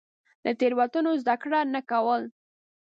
له تېروتنو زده کړه نه کول.